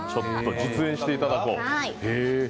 実演していただこう。